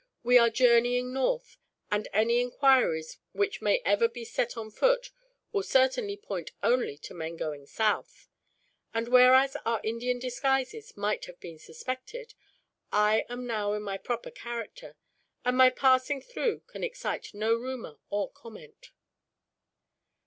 We are journeying north, and any inquiries which may ever be set on foot will certainly point only to men going south; and whereas our Indian disguises might have been suspected, I am now in my proper character, and my passing through can excite no rumor or comment."